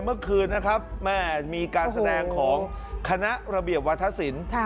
เมื่อคืนนะครับแม่มีการแสดงของคณะระเบียบวัฒนศิลป์